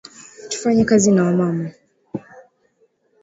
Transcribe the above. Tufanyeni Kazi na wa mama